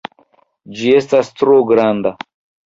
Ĝi estas tro granda!